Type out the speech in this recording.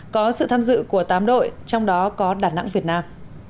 có sự tham dự của tám đội trong đó có đà nẵng việt nam